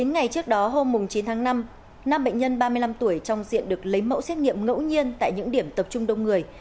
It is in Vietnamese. chín ngày trước đó hôm chín tháng năm năm bệnh nhân ba mươi năm tuổi trong diện được lấy mẫu xét nghiệm ngẫu nhiên tại những điểm tập trung đông người